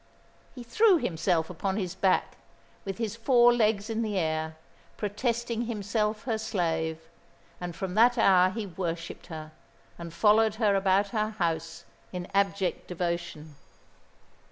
He threw himself upon his back, with his four legs in the air, protesting himself her slave; and from that hour he worshipped her, and followed her about her house in abject devotion.